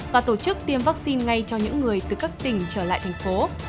và tổ chức tiêm vaccine ngay cho những người từ các tỉnh trở lại thành phố